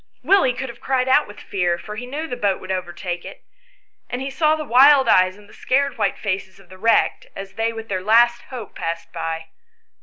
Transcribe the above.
Willie could have cried out with fear, for he knew the boat would overtake it, and he saw the wild eyes 114 ANYHOW STORIES. [STORY and the scared white faces of the wrecked as they with their last hope passed by.